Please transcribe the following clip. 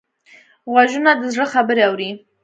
غوږونه د زړه خبرې اوري